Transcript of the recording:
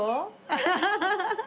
アハハハハ！